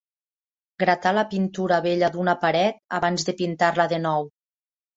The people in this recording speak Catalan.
Gratar la pintura vella d'una paret abans de pintar-la de nou.